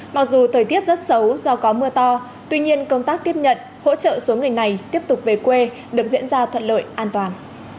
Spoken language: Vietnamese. mặc dù thời tiết rất xấu do có mưa to tuy nhiên công tác tiếp nhận hỗ trợ số người này tiếp tục về quê được diễn ra thuận lợi an toàn